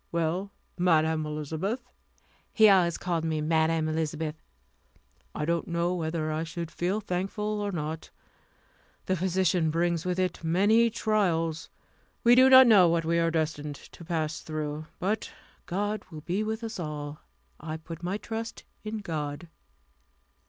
Well, Madam Elizabeth" he always called me Madam Elizabeth "I don't know whether I should feel thankful or not. The position brings with it many trials. We do not know what we are destined to pass through. But God will be with us all. I put my trust in God."